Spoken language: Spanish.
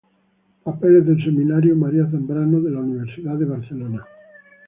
Papeles del Seminario María Zambrano" de la Universidad de Barcelona.